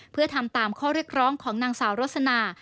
เพื่อทำตามข้อเรียกร้องของนางสาวรสนา